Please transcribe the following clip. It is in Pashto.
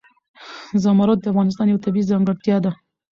زمرد د افغانستان یوه طبیعي ځانګړتیا ده.